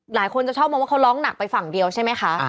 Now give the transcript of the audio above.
หลายคนจะชอบมองว่าเขาร้องหนักไปฝั่งเดียวใช่ไหมคะ